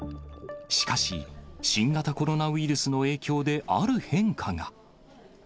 しかし、新型コロナウイルスの影響である変化が。